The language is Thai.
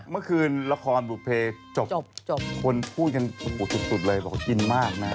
เมื่อคืนละครบุภเพคนพูดกันสุดเลยบอกว่ากินมากนะ